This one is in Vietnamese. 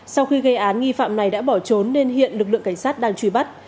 sau khi gây án nghi phạm này đã bỏ trốn nên hiện lực lượng cảnh sát đang truy bắt